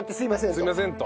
すいませんと。